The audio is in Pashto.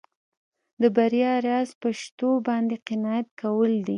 د بریا راز په شتو باندې قناعت کول دي.